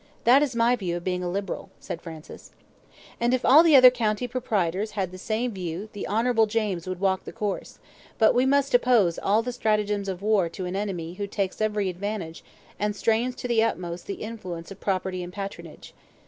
That is my view of being a Liberal," said Francis. "And if all the other county proprietors had the same view the Honourable James would walk the course; but we must oppose all the stratagems of war of an enemy who takes every advantage, and strains to the utmost the influence of property and patronage."